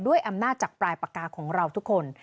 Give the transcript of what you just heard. อำนาจจากปลายปากกาของเราทุกคน